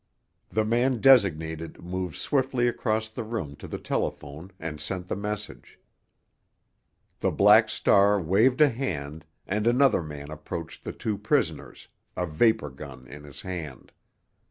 The man designated moved swiftly across the room to the telephone and sent the message. The Black Star waved a hand, and another man approached the two prisoners, a vapor gun in his hand.